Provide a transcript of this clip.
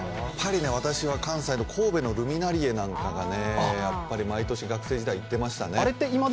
私は関西の神戸のルミナリエなんかが毎年学生時代、行っていましたね。